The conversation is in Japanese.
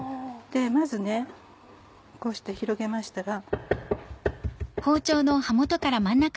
まずこうして広げましたら。